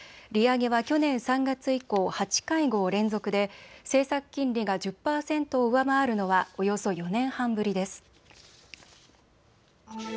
利上げは去年３月以降、８会合連続で政策金利が１０％を上回るのはおよそ４年半ぶりです。